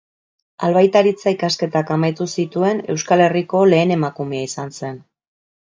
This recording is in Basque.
Albaitaritza ikasketak amaitu zituen Euskal Herriko lehen emakumea izan zen.